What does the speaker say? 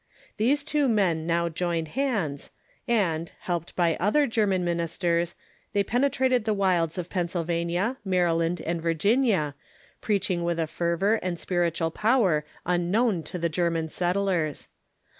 These two men now joined hands, and, helped by other German ministers, they penetrated the wilds of Penn sylvania, Maryland, and Virginia, preaching with a fervor and spiritual power unknown to the German settlers.